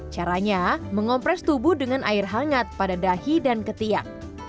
caranya mengompres tubuh dengan air hangat pada dahi dan ketiak